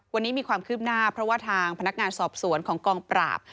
วันนี้มีความคืบหน้าเพราะว่าทางพนักงานสอบสวนของกองปราบ